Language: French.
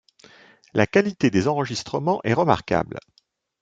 La qualité des enregistrements est remarquable.